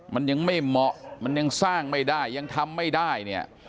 มันยังไม่เหมาะมันยังสร้างไม่ได้ยังทำไม่ได้เนี่ย